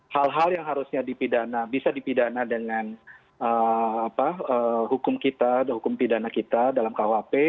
hal hal yang harusnya dipidana bisa dipidana dengan hukum kita hukum pidana kita dalam kuhp